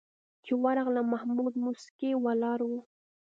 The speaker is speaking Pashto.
چې ورغلم محمود موسکی ولاړ و.